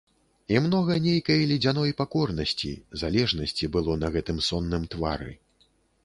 І многа нейкай ледзяной пакорнасці, залежнасці было на гэтым сонным твары.